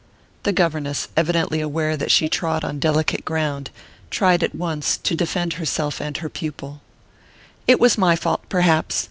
The governess, evidently aware that she trod on delicate ground, tried at once to defend herself and her pupil. "It was my fault, perhaps.